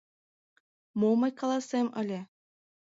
— Мом мый каласем ыле?..